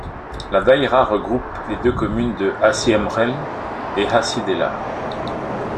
La daïra regroupe les deux communes de Hassi R'Mel et Hassi Delaa.